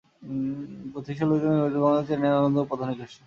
Gothic শৈলীতে নির্মিত ভবনটি চেন্নাইয়ের অন্যতম প্রধান নিদর্শন।